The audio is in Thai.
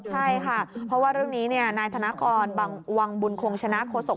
ใช่ค่ะเพราะว่าเรื่องนี้นายธนกรวังบุญคงชนะโฆษก